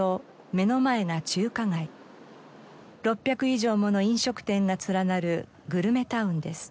６００以上もの飲食店が連なるグルメタウンです。